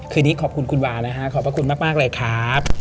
คืนนี้ขอบคุณคุณวานะฮะขอบพระคุณมากเลยครับ